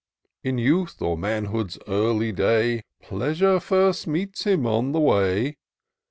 " In youth or manhood's early day. Pleasure first meets him on the way.